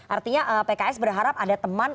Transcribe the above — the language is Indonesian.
artinya pks berharap ada teman